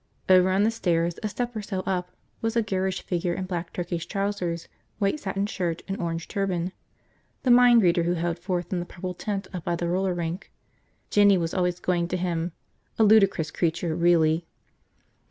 Over on the stairs, a step or so up, was a garish figure in black Turkish trousers, white satin shirt, and orange turban – the mind reader who held forth in the purple tent up by the roller rink. Jinny was always going to him. A ludicrous creature, really.